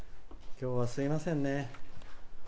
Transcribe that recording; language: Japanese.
きょうは、すいませんね。